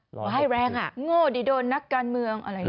พอให้แรงอ่ะโง่ดีโดนนักการเมือง